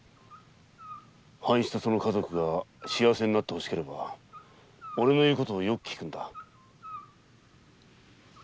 半七の一家が幸せになって欲しければオレの言う事をよく聞くんだ。